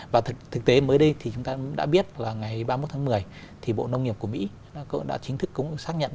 và thực tế mới đây thì chúng ta đã biết là ngày ba mươi một tháng một mươi thì bộ nông nghiệp của mỹ đã chính thức cũng xác nhận